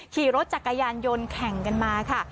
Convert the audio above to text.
ขี่รถจักรยานยนต์แข่งกันมาค่ะ